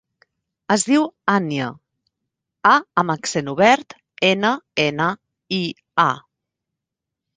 Es diu Ànnia: a amb accent obert, ena, ena, i, a.